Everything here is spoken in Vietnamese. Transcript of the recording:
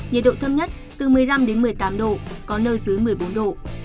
nhiệt độ thấp nhất từ một mươi năm đến một mươi tám độ có nơi dưới một mươi bốn độ